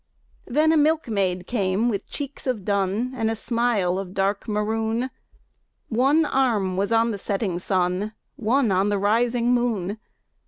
Then a milkmaid came with cheeks of dun And a smile of dark maroon, One arm was on the setting sun, One on the rising moon.